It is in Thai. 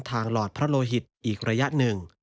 หลอดพระโลหิตอีกระยะหนึ่ง